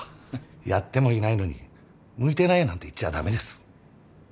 やってもいないのに向いてないなんて言っちゃ駄目です。